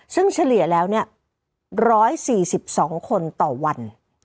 ซึ่งเฉลี่ยแล้ว๑๔๒คนต่อวัน